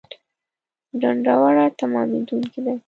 ډنډوره تمامېدونکې ده